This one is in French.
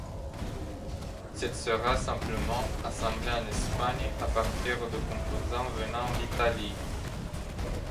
Cette sera simplement assemblés en Espagne à partir de composants venant d'Italie.